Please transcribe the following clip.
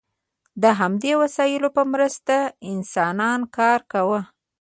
د همدې وسایلو په مرسته انسانانو کار کاوه.